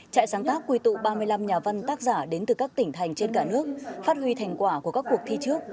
trại sáng tác quy tụ ba mươi năm nhà văn tác giả đến từ các tỉnh thành trên cả nước phát huy thành quả của các cuộc thi trước